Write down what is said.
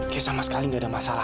kayak sama sekali nggak ada masalah